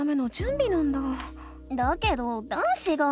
だけど男子が。